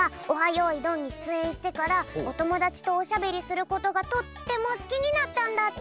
よいどん」にしゅつえんしてからおともだちとおしゃべりすることがとってもすきになったんだって。